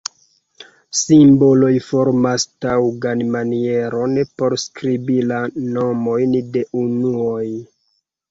Simboloj formas taŭgan manieron por skribi la nomojn de unuoj.